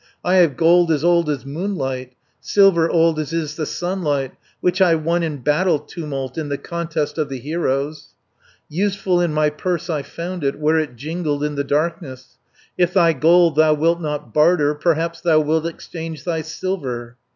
I have gold as old as moonlight, Silver old as is the sunlight, Which I won in battle tumult, In the contest of the heroes, Useful in my purse I found it, Where it jingled in the darkness; If thy gold thou wilt not barter, Perhaps thou wilt exchange thy silver."